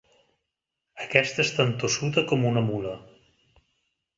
Aquesta és tan tossuda com una mula.